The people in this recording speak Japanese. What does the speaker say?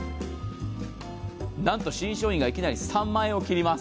なんと新商品がいきなり３万円を切ります。